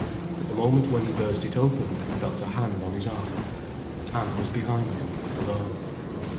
At the moment when he burst it open he felt a hand on his arm. Anne was behind him, alone.